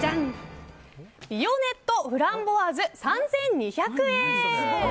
ヴィヨネット・フランボワーズ３２００円。